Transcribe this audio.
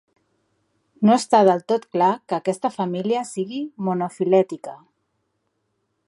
No està del tot clar que aquesta família sigui monofilètica.